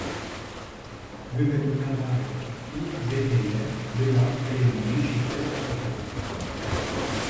Bibe mîna darekê û bihêle bila pelên mirî ji te bikevin.